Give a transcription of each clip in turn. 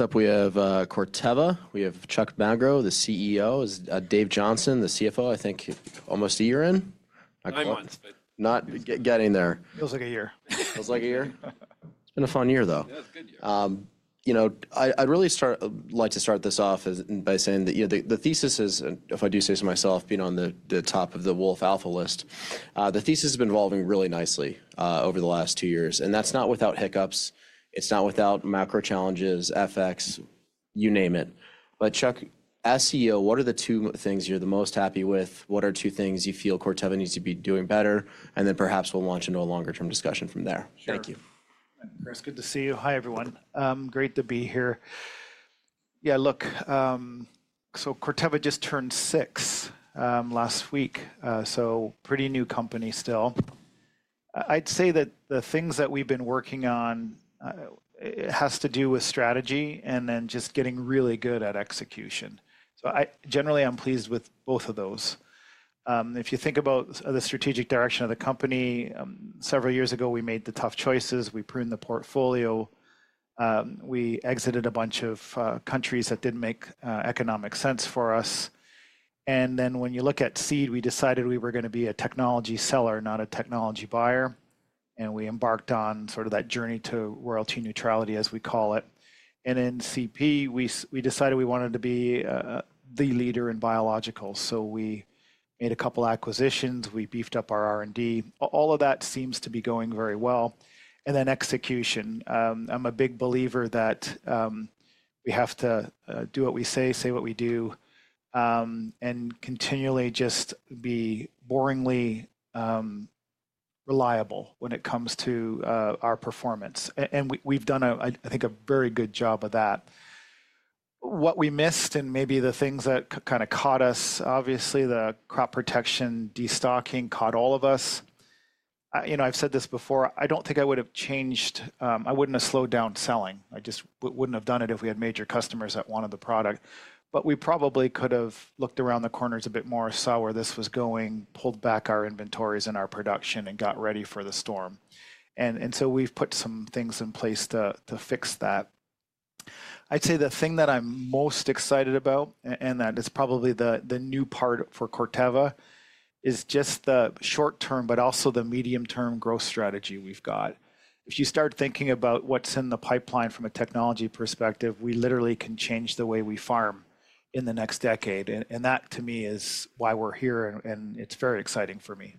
Up, we have Corteva, we have Chuck Magro, the CEO, Dave Johnson, the CFO, I think almost a year in. Nine months, but. Not getting there. Feels like a year. Feels like a year? It's been a fun year, though. It's a good year. You know, I'd really like to start this off by saying that, you know, the thesis is, if I do say so myself, being on the top of the Wolfe Alpha list, the thesis has been evolving really nicely over the last two years. That is not without hiccups, it's not without macro challenges, FX, you name it. Chuck, as CEO, what are the two things you're the most happy with? What are two things you feel Corteva needs to be doing better? Perhaps we'll launch into a longer-term discussion from there. Thank you. Chris, good to see you. Hi, everyone. Great to be here, look, Corteva just turned six last week, so pretty new company still. I'd say that the things that we've been working on have to do with strategy and then just getting really good at execution. Generally, I'm pleased with both of those. If you think about the strategic direction of the company, several years ago, we made the tough choices, we pruned the portfolio, we exited a bunch of countries that did not make economic sense for us. When you look at seed, we decided we were going to be a technology seller, not a technology buyer. We embarked on sort of that journey to royalty neutrality, as we call it. In CP, we decided we wanted to be the leader in biological. We made a couple of acquisitions, we beefed up our R&D. All of that seems to be going very well. Execution, I'm a big believer that we have to do what we say, say what we do, and continually just be boringly reliable when it comes to our performance. We've done, I think, a very good job of that. What we missed and maybe the things that kind of caught us, obviously, the crop protection destocking caught all of us. You know, I've said this before, I don't think I would have changed, I wouldn't have slowed down selling. I just wouldn't have done it if we had major customers that wanted the product. We probably could have looked around the corners a bit more, saw where this was going, pulled back our inventories and our production, and got ready for the storm. We have put some things in place to fix that. I would say the thing that I am most excited about, and that is probably the new part for Corteva, is just the short-term, but also the medium-term growth strategy we have. If you start thinking about what is in the pipeline from a technology perspective, we literally can change the way we farm in the next decade. That, to me, is why we are here, and it is very exciting for me.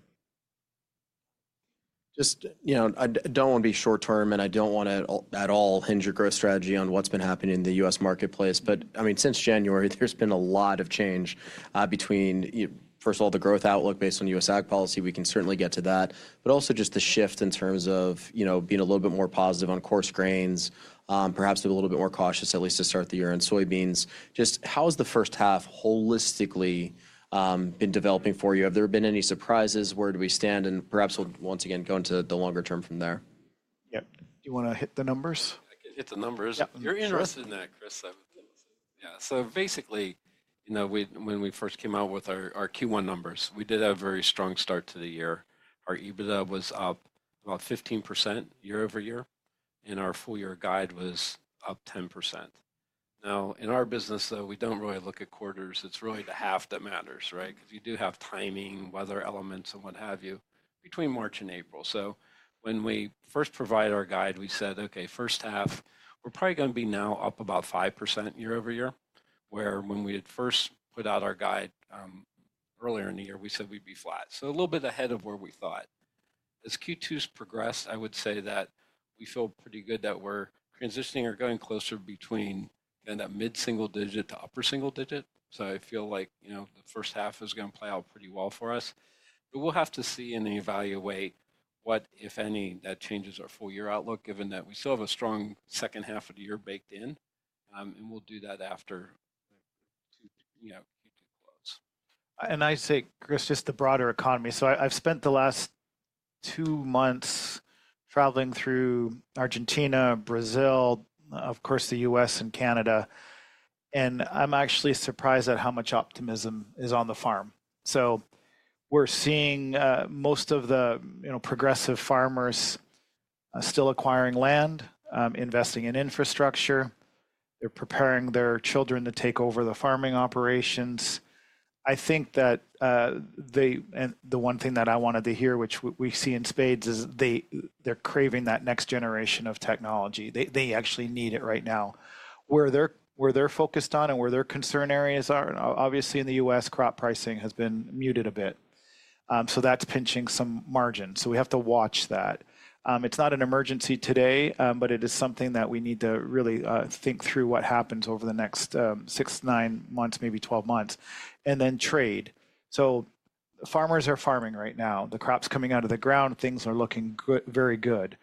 Just, you know, I don't want to be short-term, and I don't want to at all hinge your growth strategy on what's been happening in the U.S. marketplace. I mean, since January, there's been a lot of change between, first of all, the growth outlook based on U.S. ag policy, we can certainly get to that, but also just the shift in terms of, you know, being a little bit more positive on coarse grains, perhaps a little bit more cautious, at least to start the year in soybeans. Just how has the first half holistically been developing for you? Have there been any surprises? Where do we stand? Perhaps we'll, once again, go into the longer term from there. Do you want to hit the numbers? I can hit the numbers. You're interested in that, Chris. Yeah. So basically, you know, when we first came out with our Q1 numbers, we did have a very strong start to the year. Our EBITDA was up about 15% year over year, and our full-year guide was up 10%. Now, in our business, though, we do not really look at quarters. It is really the half that matters, right? Because you do have timing, weather elements, and what have you between March and April. So when we first provided our guide, we said, "Okay, first half, we are probably going to be now up about 5% year over year," where when we had first put out our guide earlier in the year, we said we would be flat. So a little bit ahead of where we thought. As Q2 has progressed, I would say that we feel pretty good that we're transitioning or going closer between kind of that mid-single digit to upper single digit. I feel like, you know, the first half is going to play out pretty well for us. We will have to see and evaluate what, if any, that changes our full-year outlook, given that we still have a strong second half of the year baked in. We will do that after Q2 close. I say, Chris, just the broader economy. I've spent the last two months traveling through Argentina, Brazil, of course, the U.S. and Canada. I'm actually surprised at how much optimism is on the farm. We're seeing most of the, you know, progressive farmers still acquiring land, investing in infrastructure. They're preparing their children to take over the farming operations. I think that the one thing that I wanted to hear, which we see in spades, is they're craving that next generation of technology. They actually need it right now. Where they're focused on and where their concern areas are, obviously, in the U.S., crop pricing has been muted a bit. That's pinching some margins. We have to watch that. It's not an emergency today, but it is something that we need to really think through what happens over the next six, nine months, maybe twelve months. Trade. Farmers are farming right now. The crop's coming out of the ground. Things are looking very good.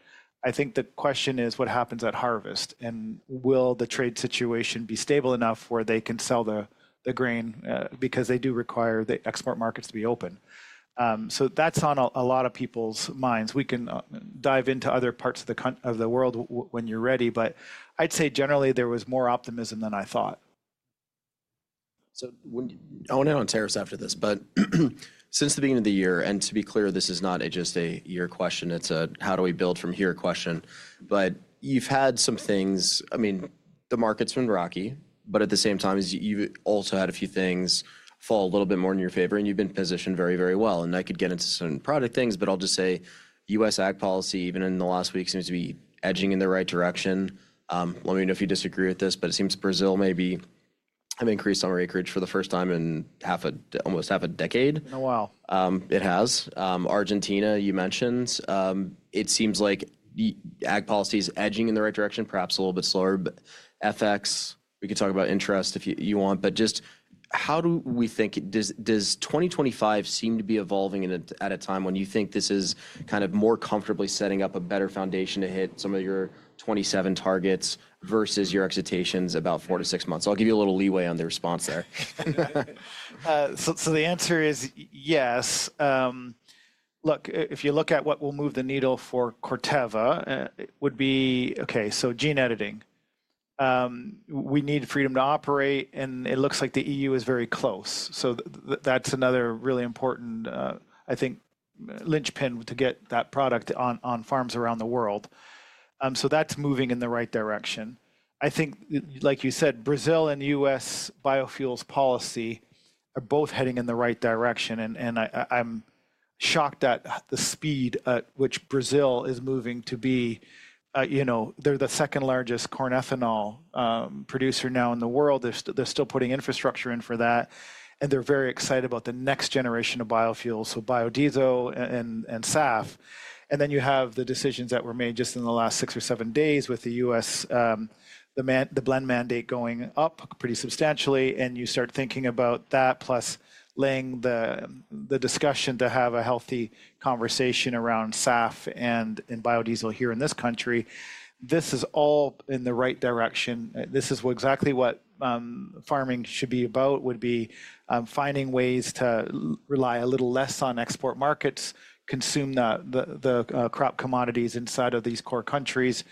I think the question is, what happens at harvest? Will the trade situation be stable enough where they can sell the grain? They do require the export markets to be open. That's on a lot of people's minds. We can dive into other parts of the world when you're ready. I'd say, generally, there was more optimism than I thought. I will not hit on tariffs after this, but since the beginning of the year, and to be clear, this is not just a year question, it is a how do we build from here question. You have had some things, I mean, the market has been rocky, but at the same time, you have also had a few things fall a little bit more in your favor, and you have been positioned very, very well. I could get into some product things, but I will just say U.S. ag policy, even in the last week, seems to be edging in the right direction. Let me know if you disagree with this, but it seems Brazil maybe has increased on our acreage for the first time in almost half a decade. Been a while. It has. Argentina, you mentioned. It seems like ag policy is edging in the right direction, perhaps a little bit slower. FX, we could talk about interest if you want. Just how do we think, does 2025 seem to be evolving at a time when you think this is kind of more comfortably setting up a better foundation to hit some of your 2027 targets versus your excitations about four to six months? I'll give you a little leeway on the response there. The answer is yes. Look, if you look at what will move the needle for Corteva, it would be, okay, gene editing. We need freedom to operate, and it looks like the EU is very close. That is another really important, I think, linchpin to get that product on farms around the world. That is moving in the right direction. I think, like you said, Brazil and U.S. biofuels policy are both heading in the right direction. I am shocked at the speed at which Brazil is moving to be, you know, they are the second largest corn ethanol producer now in the world. They are still putting infrastructure in for that. They are very excited about the next generation of biofuels, so biodiesel and SAF. Then you have the decisions that were made just in the last six or seven days with the U.S., the blend mandate going up pretty substantially. You start thinking about that, plus laying the discussion to have a healthy conversation around SAF and biodiesel here in this country. This is all in the right direction. This is exactly what farming should be about, finding ways to rely a little less on export markets, consume the crop commodities inside of these core countries,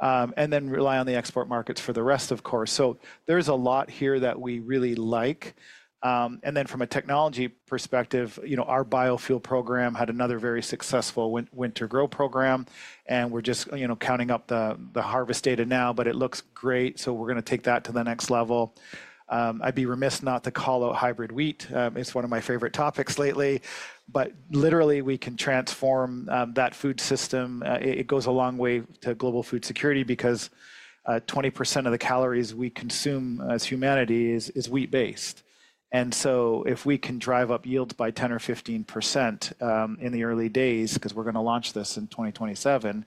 and then rely on the export markets for the rest, of course. There is a lot here that we really like. From a technology perspective, you know, our biofuel program had another very successful winter grow program. We are just, you know, counting up the harvest data now, but it looks great. We are going to take that to the next level. I'd be remiss not to call out hybrid wheat. It's one of my favorite topics lately. Literally, we can transform that food system. It goes a long way to global food security because 20% of the calories we consume as humanity is wheat-based. If we can drive up yields by 10% or 15% in the early days, because we're going to launch this in 2027,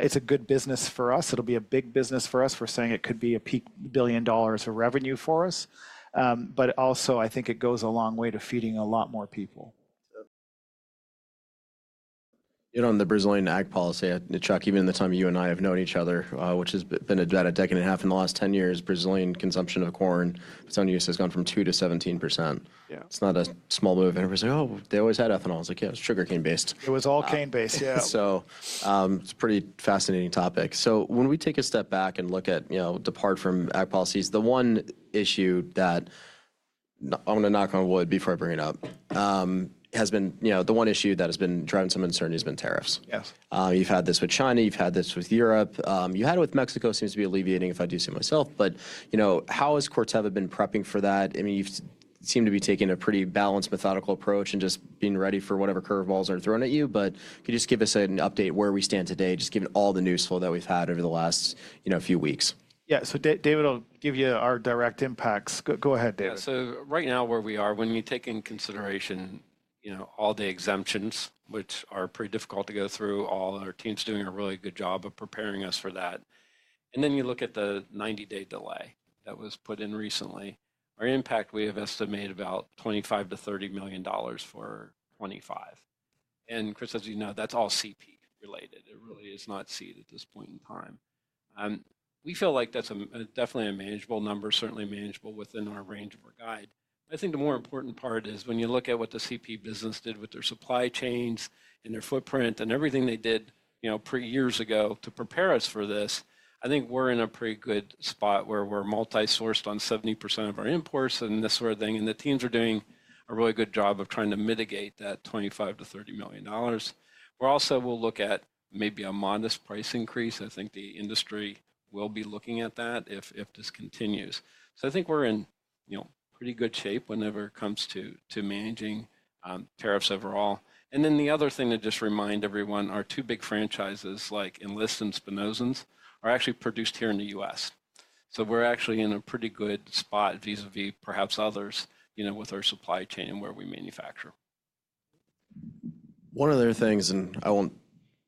it's a good business for us. It'll be a big business for us. We're saying it could be a peak $1 billion of revenue for us. I think it goes a long way to feeding a lot more people. You know, on the Brazilian ag policy, Chuck, even in the time you and I have known each other, which has been about a decade and a half, in the last 10 years, Brazilian consumption of corn, percentage has gone from 2% to 17%. It's not a small move. And everyone's like, "Oh, they always had ethanol." It's like, it was sugar cane-based. It was all cane-based, yeah. It's a pretty fascinating topic. When we take a step back and look at, you know, depart from ag policies, the one issue that I'm going to knock on wood before I bring it up has been, you know, the one issue that has been driving some uncertainty has been tariffs. Yes. You've had this with China, you've had this with Europe, you had it with Mexico, seems to be alleviating, if I do say myself. You know, how has Corteva been prepping for that? I mean, you seem to be taking a pretty balanced, methodical approach and just being ready for whatever curveballs are thrown at you. Could you just give us an update where we stand today, just given all the news flow that we've had over the last, you know, few weeks? David, I'll give you our direct impacts. Go ahead, David. Right now, where we are, when you take into consideration, you know, all the exemptions, which are pretty difficult to go through, all our teams are doing a really good job of preparing us for that. Then you look at the 90-day delay that was put in recently, our impact, we have estimated about $25-$30 million for 2025. And Chris, as you know, that's all CP-related. It really is not seed at this point in time. We feel like that's definitely a manageable number, certainly manageable within our range of our guide. I think the more important part is when you look at what the CP business did with their supply chains and their footprint and everything they did, you know, years ago to prepare us for this, I think we're in a pretty good spot where we're multi-sourced on 70% of our imports and this sort of thing. The teams are doing a really good job of trying to mitigate that $25-$30 million. We're also, we'll look at maybe a modest price increase. I think the industry will be looking at that if this continues. I think we're in, you know, pretty good shape whenever it comes to managing tariffs overall. The other thing to just remind everyone, our two big franchises, like Enlist and Spinosyns, are actually produced here in the U.S. We're actually in a pretty good spot vis-à-vis perhaps others, you know, with our supply chain and where we manufacture. One of the other things, and I won't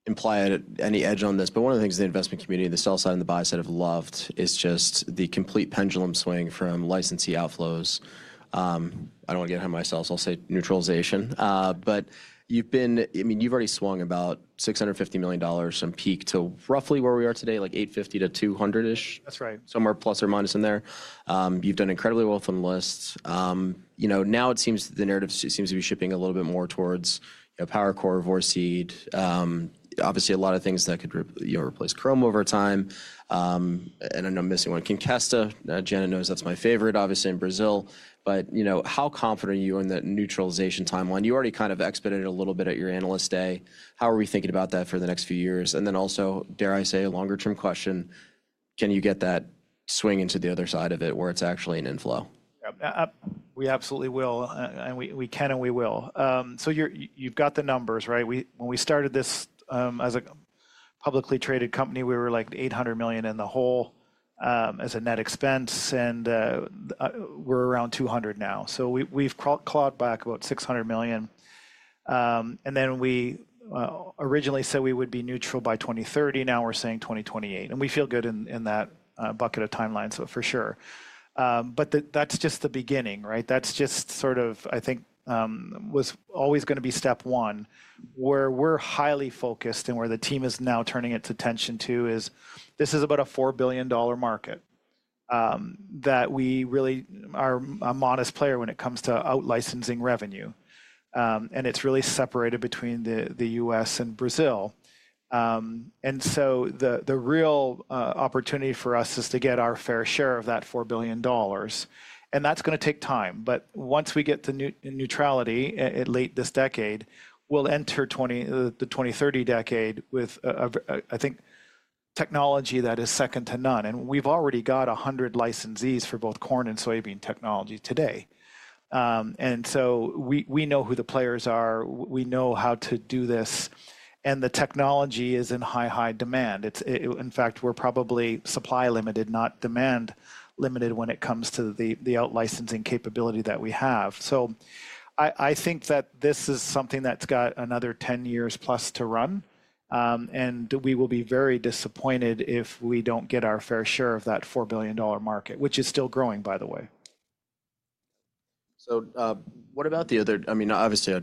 imply any edge on this, but one of the things the investment community, the sell side and the buy side have loved is just the complete pendulum swing from licensee outflows. I don't want to get ahead of myself, so I'll say neutralization. But you've been, I mean, you've already swung about $650 million from peak to roughly where we are today, like $850 million to $200 million-ish. That's right. Somewhere plus or minus in there. You've done incredibly well with Enlist. You know, now it seems the narrative seems to be shifting a little bit more towards PowerCore, Vorceed. Obviously, a lot of things that could, you know, replace Qrome over time. And I'm not missing one. Kinventa, Janet knows that's my favorite, obviously, in Brazil. But, you know, how confident are you in that neutralization timeline? You already kind of expedited a little bit at your analyst day. How are we thinking about that for the next few years? And then also, dare I say, a longer-term question, can you get that swing into the other side of it where it's actually an inflow? We absolutely will. We can and we will. You have the numbers, right? When we started this as a publicly traded company, we were like $800 million in the hole as a net expense, and we are around $200 million now. We have clawed back about $600 million. We originally said we would be neutral by 2030. Now we are saying 2028. We feel good in that bucket of timeline, for sure. That is just the beginning, right? That is just sort of, I think, was always going to be step one. Where we are highly focused and where the team is now turning its attention is this is about a $4 billion market that we really are a modest player in when it comes to outlicensing revenue. It is really separated between the U.S. and Brazil. The real opportunity for us is to get our fair share of that $4 billion. That is going to take time. Once we get to neutrality late this decade, we will enter the 2030 decade with, I think, technology that is second to none. We have already got 100 licensees for both corn and soybean technology today. We know who the players are. We know how to do this. The technology is in high, high demand. In fact, we are probably supply-limited, not demand-limited when it comes to the outlicensing capability that we have. I think that this is something that has another 10 years plus to run. We will be very disappointed if we do not get our fair share of that $4 billion market, which is still growing, by the way. What about the other, I mean, obviously,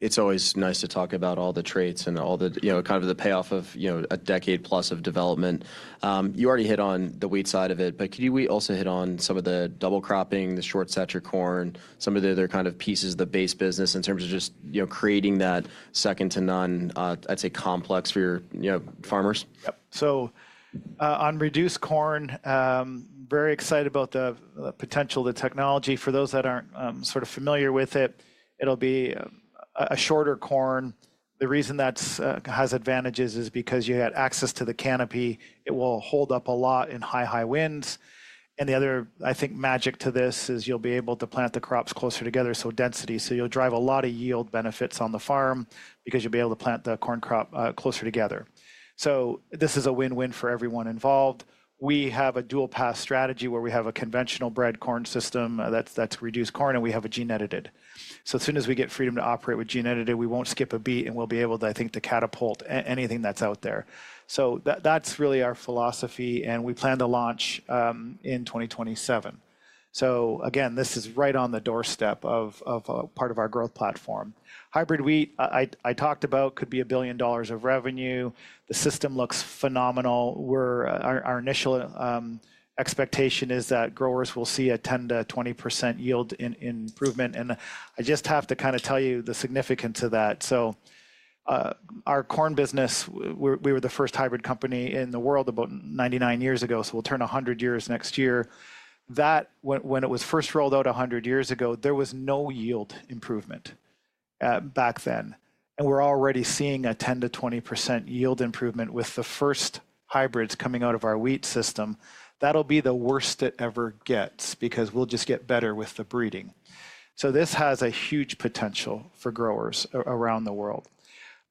it's always nice to talk about all the traits and all the, you know, kind of the payoff of, you know, a decade plus of development. You already hit on the wheat side of it, but could you also hit on some of the double cropping, the short-stature corn, some of the other kind of pieces, the base business in terms of just, you know, creating that second to none, I'd say, complex for your, you know, farmers? Yep. On reduced corn, very excited about the potential, the technology. For those that are not sort of familiar with it, it will be a shorter corn. The reason that has advantages is because you have access to the canopy. It will hold up a lot in high, high winds. The other, I think, magic to this is you will be able to plant the crops closer together, so density. You will drive a lot of yield benefits on the farm because you will be able to plant the corn crop closer together. This is a win-win for everyone involved. We have a dual-path strategy where we have a conventional bred corn system that is reduced corn, and we have a gene-edited. As soon as we get freedom to operate with gene-edited, we will not skip a beat, and we will be able to, I think, catapult anything that is out there. That is really our philosophy. We plan to launch in 2027. Again, this is right on the doorstep of part of our growth platform. Hybrid wheat, I talked about, could be a billion dollars of revenue. The system looks phenomenal. Our initial expectation is that growers will see a 10-20% yield improvement. I just have to kind of tell you the significance of that. Our corn business, we were the first hybrid company in the world about 99 years ago, so we will turn 100 years next year. When it was first rolled out 100 years ago, there was no yield improvement back then. We are already seeing a 10-20% yield improvement with the first hybrids coming out of our wheat system. That will be the worst it ever gets because we will just get better with the breeding. This has a huge potential for growers around the world.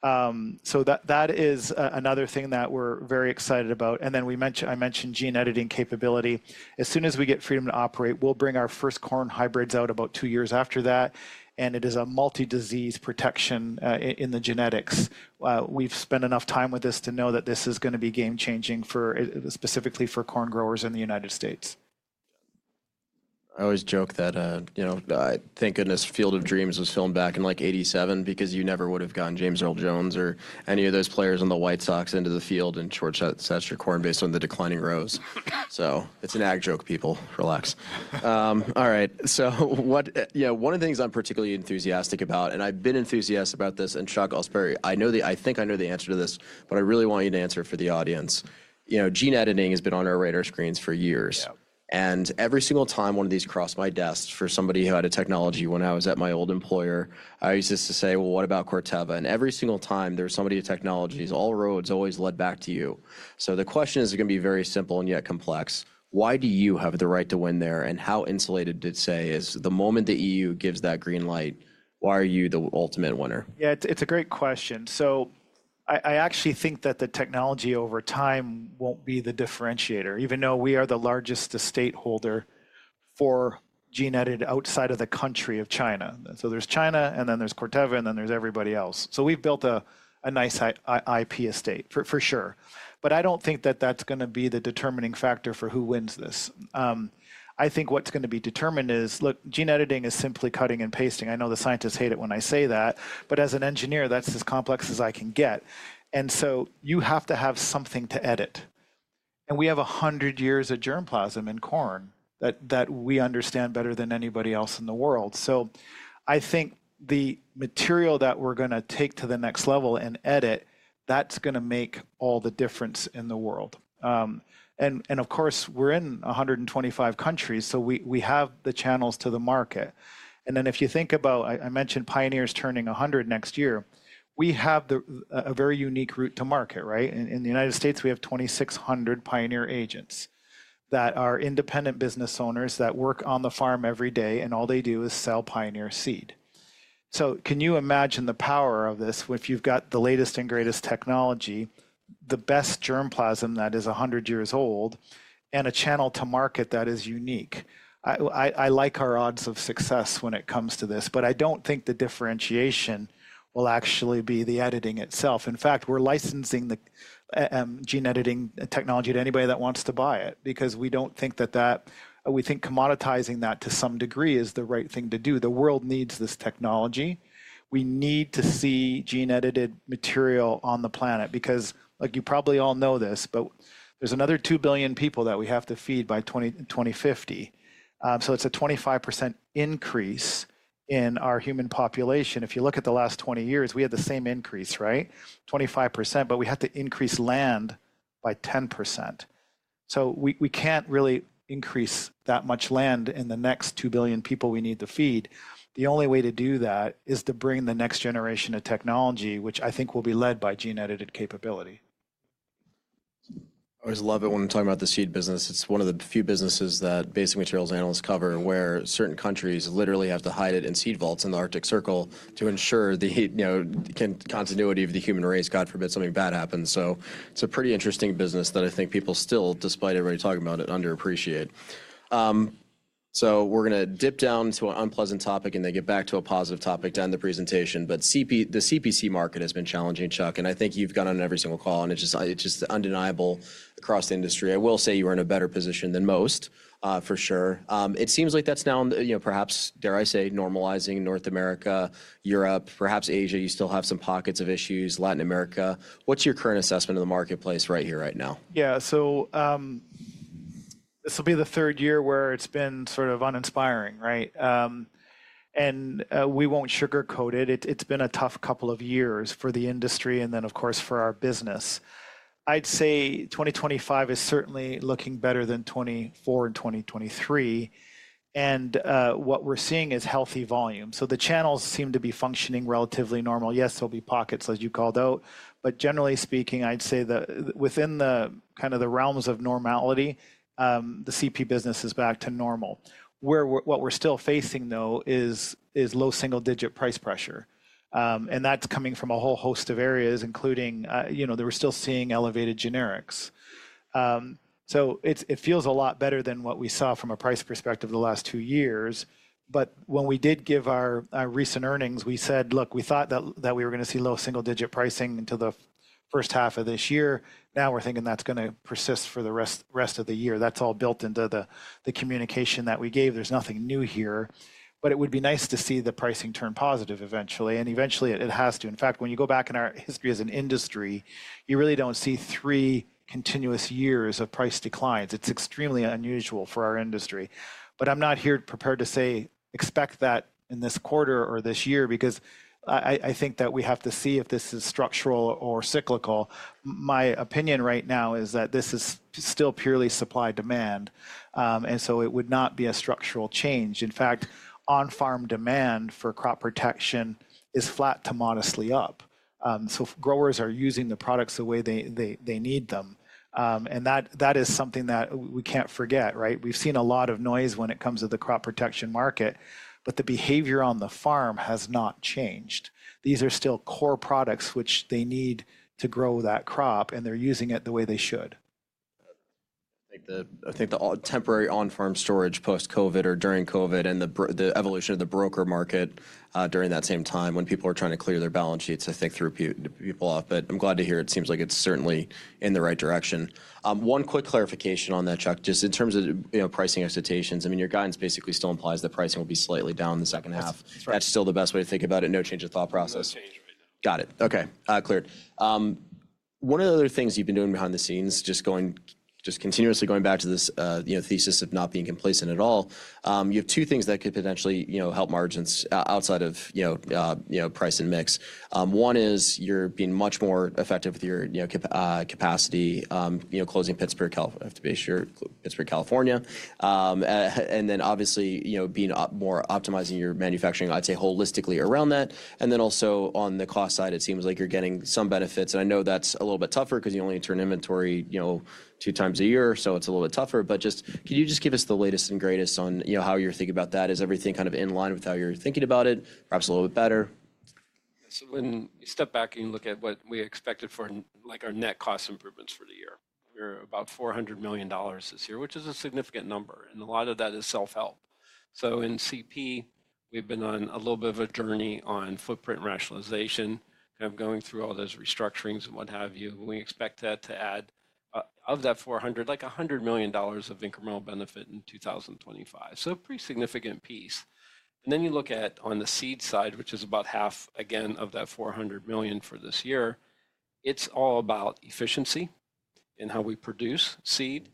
That is another thing that we're very excited about. I mentioned gene-editing capability. As soon as we get freedom to operate, we'll bring our first corn hybrids out about two years after that. It is a multi-disease protection in the genetics. We've spent enough time with this to know that this is going to be game-changing specifically for corn growers in the U.S. I always joke that, you know, thank goodness Field of Dreams was filmed back in like 1987 because you never would have gotten James Earl Jones or any of those players on the White Sox into the field in short-stature corn based on the declining rows. It is an ag joke, people. Relax. All right. What, you know, one of the things I am particularly enthusiastic about, and I have been enthusiastic about this and Chuck Magro, I know the, I think I know the answer to this, but I really want you to answer for the audience. You know, gene editing has been on our radar screens for years. And every single time one of these crossed my desk for somebody who had a technology when I was at my old employer, I used to say, well, what about Corteva? Every single time there was somebody with technologies, all roads always led back to you. The question is going to be very simple and yet complex. Why do you have the right to win there? How insulated is the moment the EU gives that green light, why are you the ultimate winner? Yeah, it's a great question. I actually think that the technology over time won't be the differentiator, even though we are the largest estate holder for gene-edited outside of the country of China. There's China, and then there's Corteva, and then there's everybody else. We've built a nice IP estate, for sure. I don't think that that's going to be the determining factor for who wins this. I think what's going to be determined is, look, gene editing is simply cutting and pasting. I know the scientists hate it when I say that. As an engineer, that's as complex as I can get. You have to have something to edit. We have 100 years of germplasm in corn that we understand better than anybody else in the world. I think the material that we're going to take to the next level and edit, that's going to make all the difference in the world. Of course, we're in 125 countries, so we have the channels to the market. If you think about, I mentioned Pioneer is turning 100 next year, we have a very unique route to market, right? In the U.S., we have 2,600 Pioneer agents that are independent business owners that work on the farm every day, and all they do is sell Pioneer seed. Can you imagine the power of this if you've got the latest and greatest technology, the best germplasm that is 100 years old, and a channel to market that is unique? I like our odds of success when it comes to this, but I don't think the differentiation will actually be the editing itself. In fact, we're licensing the gene editing technology to anybody that wants to buy it because we don't think that that, we think commoditizing that to some degree is the right thing to do. The world needs this technology. We need to see gene-edited material on the planet because, like you probably all know this, but there's another 2 billion people that we have to feed by 2050. It's a 25% increase in our human population. If you look at the last 20 years, we had the same increase, right? 25%, but we have to increase land by 10%. We can't really increase that much land in the next 2 billion people we need to feed. The only way to do that is to bring the next generation of technology, which I think will be led by gene-edited capability. I always love it when we're talking about the seed business. It's one of the few businesses that basic materials analysts cover where certain countries literally have to hide it in seed vaults in the Arctic Circle to ensure the continuity of the human race, God forbid something bad happens. It is a pretty interesting business that I think people still, despite everybody talking about it, underappreciate. We are going to dip down to an unpleasant topic and then get back to a positive topic down the presentation. The crop protection market has been challenging, Chuck, and I think you've gone on every single call, and it's just undeniable across the industry. I will say you are in a better position than most, for sure. It seems like that's now, you know, perhaps, dare I say, normalizing in North America, Europe, perhaps Asia. You still have some pockets of issues, Latin America. What's your current assessment of the marketplace right here, right now? So this will be the third year where it's been sort of uninspiring, right? We won't sugarcoat it. It's been a tough couple of years for the industry and then, of course, for our business. I'd say 2025 is certainly looking better than 2024 and 2023. What we're seeing is healthy volume. The channels seem to be functioning relatively normal. Yes, there'll be pockets, as you called out. Generally speaking, I'd say that within the realms of normality, the CP business is back to normal. What we're still facing, though, is low single-digit price pressure. That's coming from a whole host of areas, including, you know, that we're still seeing elevated generics. It feels a lot better than what we saw from a price perspective the last two years. When we did give our recent earnings, we said, look, we thought that we were going to see low single-digit pricing until the first half of this year. Now we're thinking that's going to persist for the rest of the year. That's all built into the communication that we gave. There's nothing new here. It would be nice to see the pricing turn positive eventually. Eventually, it has to. In fact, when you go back in our history as an industry, you really do not see three continuous years of price declines. It's extremely unusual for our industry. I am not here prepared to say expect that in this quarter or this year because I think that we have to see if this is structural or cyclical. My opinion right now is that this is still purely supply demand. It would not be a structural change. In fact, on-farm demand for crop protection is flat to modestly up. Growers are using the products the way they need them. That is something that we cannot forget, right? We have seen a lot of noise when it comes to the crop protection market, but the behavior on the farm has not changed. These are still core products which they need to grow that crop, and they are using it the way they should. I think the temporary on-farm storage post-COVID or during COVID and the evolution of the broker market during that same time when people are trying to clear their balance sheets, I think, threw people off. I'm glad to hear it seems like it's certainly in the right direction. One quick clarification on that, Chuck, just in terms of pricing expectations. I mean, your guidance basically still implies that pricing will be slightly down in the second half. That's still the best way to think about it. No change of thought process. Got it. Okay. Cleared. One of the other things you've been doing behind the scenes, just continuously going back to this thesis of not being complacent at all, you have two things that could potentially help margins outside of price and mix. One is you're being much more effective with your capacity, closing Pittsburgh, have to be sure, Pittsburgh, California. Obviously, being more optimizing your manufacturing, I'd say holistically around that. Also on the cost side, it seems like you're getting some benefits. I know that's a little bit tougher because you only turn inventory two times a year, so it's a little bit tougher. Can you just give us the latest and greatest on how you're thinking about that? Is everything kind of in line with how you're thinking about it? Perhaps a little bit better? When you step back and you look at what we expected for like our net cost improvements for the year, we're about $400 million this year, which is a significant number. A lot of that is self-help. In CP, we've been on a little bit of a journey on footprint rationalization, kind of going through all those restructurings and what have you. We expect that to add of that $400 million, like $100 million of incremental benefit in 2025. A pretty significant piece. Then you look at on the seed side, which is about half, again, of that $400 million for this year, it's all about efficiency in how we produce seed.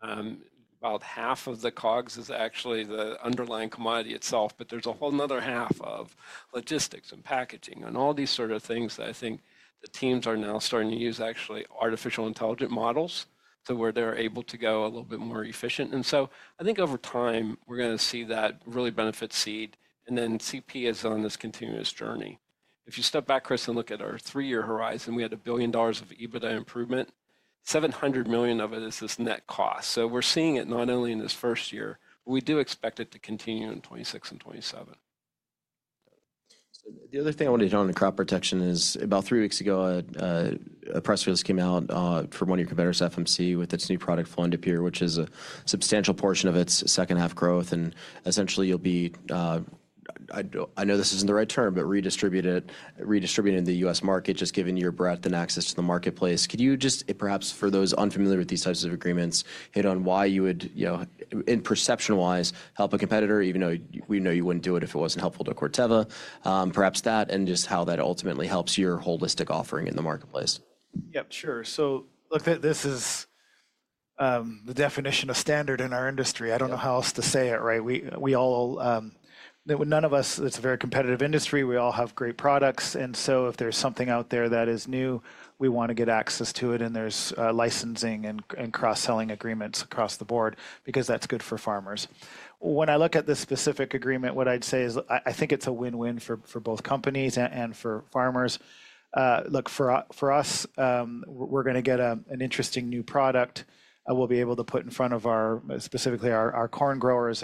About half of the COGS is actually the underlying commodity itself, but there's a whole nother half of logistics and packaging and all these sort of things that I think the teams are now starting to use actually artificial intelligent models to where they're able to go a little bit more efficient. I think over time, we're going to see that really benefit seed. CP is on this continuous journey. If you step back, Chris, and look at our three-year horizon, we had a billion dollars of EBITDA improvement. $700 million of it is this net cost. We're seeing it not only in this first year, but we do expect it to continue in 2026 and 2027. The other thing I wanted to talk about in crop protection is about three weeks ago, a press release came out from one of your competitors, FMC, with its new product, fluindapyr, which is a substantial portion of its second-half growth. Essentially, you'll be, I know this isn't the right term, but redistributing the U.S. market, just given your breadth and access to the marketplace. Could you just, perhaps for those unfamiliar with these types of agreements, hit on why you would, perception-wise, help a competitor, even though we know you wouldn't do it if it wasn't helpful to Corteva, perhaps that and just how that ultimately helps your holistic offering in the marketplace? Yep, sure. Look, this is the definition of standard in our industry. I do not know how else to say it, right? None of us, it is a very competitive industry. We all have great products. If there is something out there that is new, we want to get access to it. There are licensing and cross-selling agreements across the board because that is good for farmers. When I look at this specific agreement, what I would say is I think it is a win-win for both companies and for farmers. For us, we are going to get an interesting new product we will be able to put in front of our, specifically our corn growers.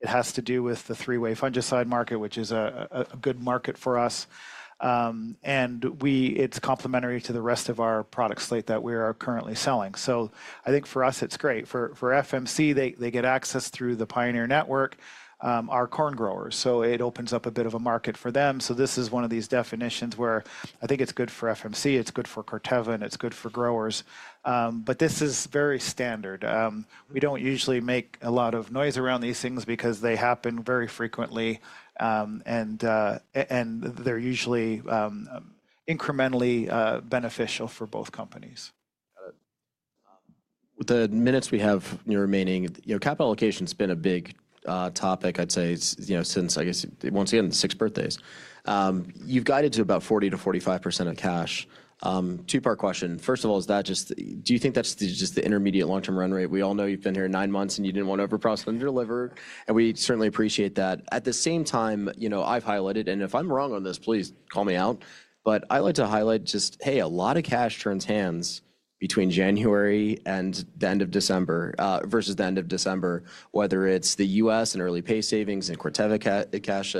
It has to do with the three-way fungicide market, which is a good market for us. It is complementary to the rest of our product slate that we are currently selling. I think for us, it's great. For FMC, they get access through the Pioneer Network, our corn growers. It opens up a bit of a market for them. This is one of these definitions where I think it's good for FMC, it's good for Corteva, and it's good for growers. This is very standard. We do not usually make a lot of noise around these things because they happen very frequently, and they are usually incrementally beneficial for both companies. With the minutes we have remaining, capital allocation has been a big topic, I'd say, since, I guess, once again, six birthdays. You've guided to about 40-45% of cash. Two-part question. First of all, is that just, do you think that's just the intermediate long-term run rate? We all know you've been here nine months and you didn't want to overprice and deliver. And we certainly appreciate that. At the same time, I've highlighted, and if I'm wrong on this, please call me out, but I like to highlight just, hey, a lot of cash turns hands between January and the end of December versus the end of December, whether it's the U.S. and early pay savings and Corteva cash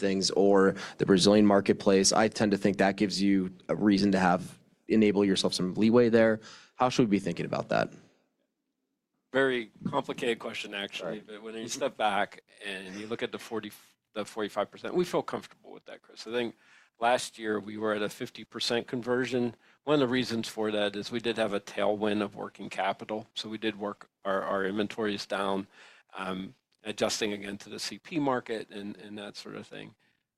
things or the Brazilian marketplace. I tend to think that gives you a reason to enable yourself some leeway there. How should we be thinking about that? Very complicated question, actually. When you step back and you look at the 45%, we feel comfortable with that, Chris. I think last year we were at a 50% conversion. One of the reasons for that is we did have a tailwind of working capital. We did work our inventories down, adjusting again to the CP market and that sort of thing.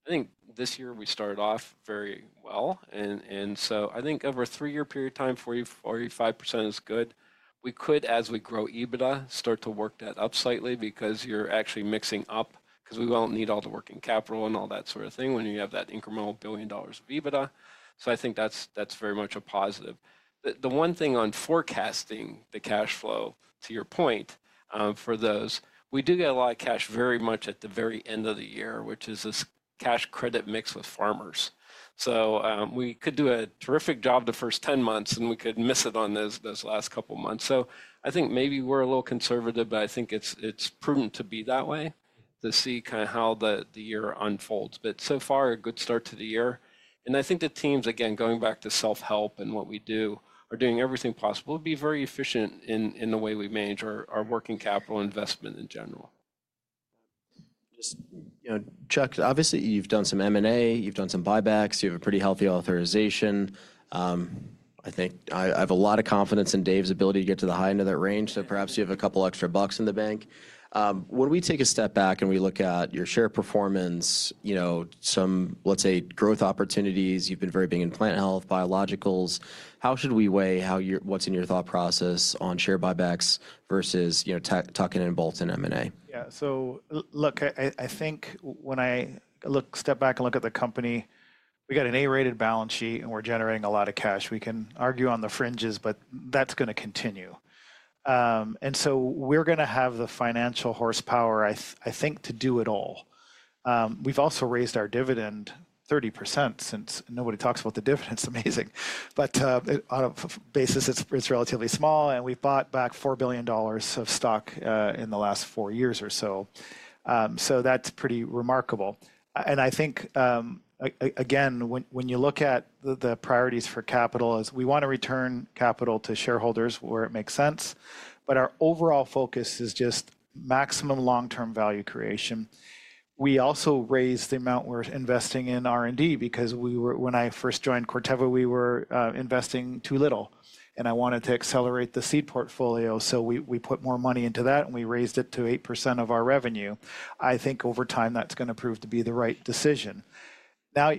I think this year we started off very well. I think over a three-year period of time, 40-45% is good. We could, as we grow EBITDA, start to work that up slightly because you're actually mixing up because we won't need all the working capital and all that sort of thing when you have that incremental billion dollars of EBITDA. I think that's very much a positive. The one thing on forecasting the cash flow, to your point, for those, we do get a lot of cash very much at the very end of the year, which is this cash credit mix with farmers. We could do a terrific job the first 10 months, and we could miss it on those last couple of months. I think maybe we're a little conservative, but I think it's prudent to be that way to see kind of how the year unfolds. So far, a good start to the year. I think the teams, again, going back to self-help and what we do, are doing everything possible to be very efficient in the way we manage our working capital investment in general. Just, Chuck, obviously, you've done some M&A, you've done some buybacks, you have a pretty healthy authorization. I think I have a lot of confidence in Dave's ability to get to the high end of that range. So perhaps you have a couple of extra bucks in the bank. When we take a step back and we look at your share performance, some, let's say, growth opportunities, you've been very big in plant health, biologicals. How should we weigh what's in your thought process on share buybacks versus tucking in bolts and M&A? So look, I think when I step back and look at the company, we got an A-rated balance sheet and we're generating a lot of cash. We can argue on the fringes, but that's going to continue. We are going to have the financial horsepower, I think, to do it all. We have also raised our dividend 30% since nobody talks about the dividend. It's amazing. On a basis, it's relatively small. We have bought back $4 billion of stock in the last four years or so. That's pretty remarkable. I think, again, when you look at the priorities for capital, we want to return capital to shareholders where it makes sense. Our overall focus is just maximum long-term value creation. We also raised the amount we're investing in R&D because when I first joined Corteva, we were investing too little. I wanted to accelerate the seed portfolio. We put more money into that and we raised it to 8% of our revenue. I think over time, that's going to prove to be the right decision.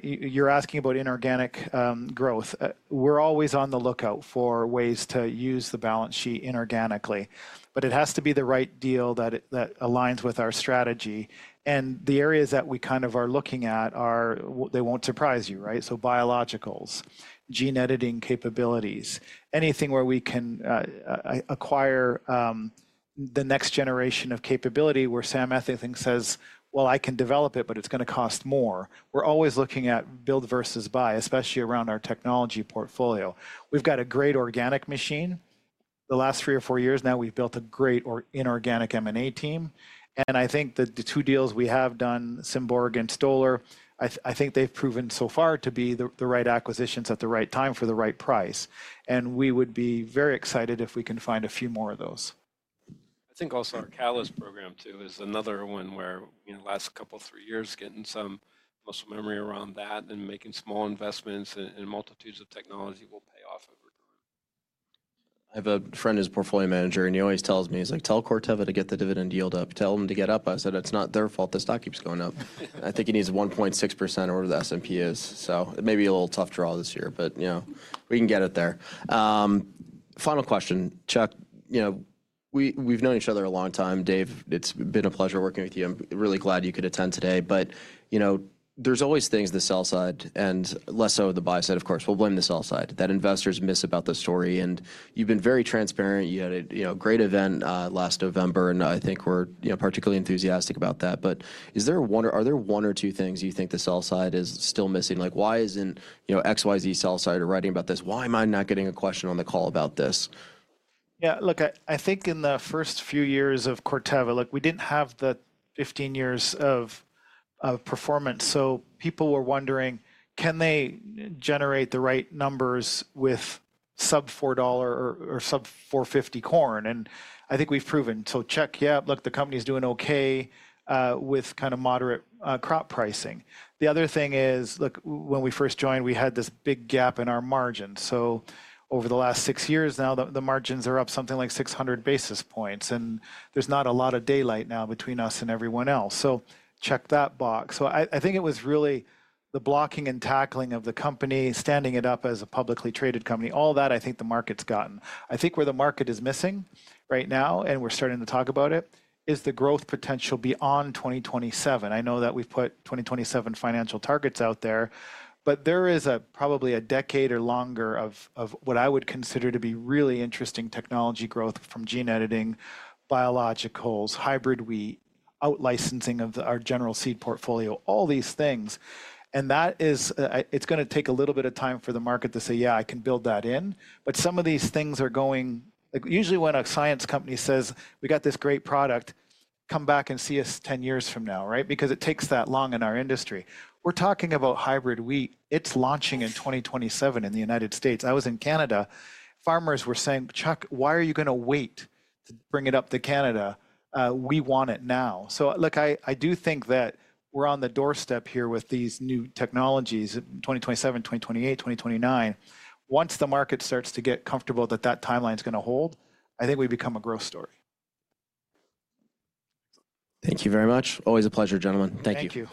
You're asking about inorganic growth. We're always on the lookout for ways to use the balance sheet inorganically. It has to be the right deal that aligns with our strategy. The areas that we kind of are looking at are, they won't surprise you, right? Biologicals, gene editing capabilities, anything where we can acquire the next generation of capability where Sam Ethington says, well, I can develop it, but it's going to cost more. We're always looking at build versus buy, especially around our technology portfolio. We've got a great organic machine. The last three or four years, now we've built a great inorganic M&A team. I think the two deals we have done, Symborg and Stoller, I think they have proven so far to be the right acquisitions at the right time for the right price. We would be very excited if we can find a few more of those. I think also our callus program too is another one where the last couple of three years getting some muscle memory around that and making small investments in multitudes of technology will pay off over time. I have a friend who's a portfolio manager, and he always tells me, he's like, tell Corteva to get the dividend yield up, tell them to get up. I said, it's not their fault. The stock keeps going up. I think he needs 1.6% or the S&P is. It may be a little tough draw this year, but we can get it there. Final question, Chuck. We've known each other a long time, Dave. It's been a pleasure working with you. I'm really glad you could attend today. There's always things to sell side, and less so the buy side, of course. We'll blame the sell side that investors miss about the story. You've been very transparent. You had a great event last November, and I think we're particularly enthusiastic about that. Are there one or two things you think the sell side is still missing? Like, why isn't XYZ sell side writing about this? Why am I not getting a question on the call about this? Look, I think in the first few years of Corteva, look, we didn't have the 15 years of performance. People were wondering, can they generate the right numbers with sub-$4 or sub-$4.50 corn? I think we've proven. Check, yeah, look, the company's doing okay with kind of moderate crop pricing. The other thing is, look, when we first joined, we had this big gap in our margins. Over the last six years now, the margins are up something like 600 basis points. There's not a lot of daylight now between us and everyone else. Check that box. I think it was really the blocking and tackling of the company, standing it up as a publicly traded company, all that I think the market's gotten. I think where the market is missing right now, and we're starting to talk about it, is the growth potential beyond 2027. I know that we've put 2027 financial targets out there, but there is probably a decade or longer of what I would consider to be really interesting technology growth from gene editing, biologicals, hybrid wheat, outlicensing of our general seed portfolio, all these things. That is, it's going to take a little bit of time for the market to say, yeah, I can build that in. Some of these things are going, usually when a science company says, we got this great product, come back and see us 10 years from now, right? Because it takes that long in our industry. We're talking about hybrid wheat. It's launching in 2027 in the United States. I was in Canada. Farmers were saying, Chuck, why are you going to wait to bring it up to Canada? We want it now. Look, I do think that we're on the doorstep here with these new technologies in 2027, 2028, 2029. Once the market starts to get comfortable that that timeline is going to hold, I think we become a growth story. Thank you very much. Always a pleasure, gentlemen. Thank you.